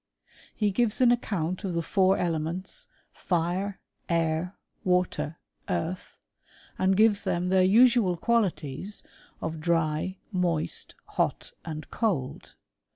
He gives an account of the four elements, fire, air, water, earth, and gives them their usual qualities of dry, moist, hot, and cold.